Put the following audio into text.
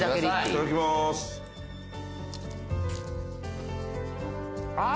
いただきまーすあ